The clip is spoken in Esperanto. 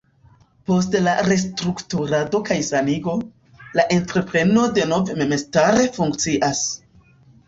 Post la restrukturado kaj sanigo, la entrepreno denove memstare funkcias.